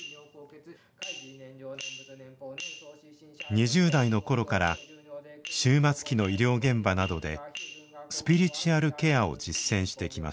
２０代の頃から終末期の医療現場などでスピリチュアルケアを実践してきました。